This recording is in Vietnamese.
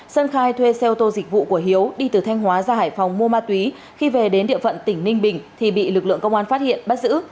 sơn khai thuê xe ô tô dịch vụ của hiếu đi từ thanh hóa ra hải phòng mua ma túy khi về đến địa phận tỉnh ninh bình thì bị lực lượng công an phát hiện bắt giữ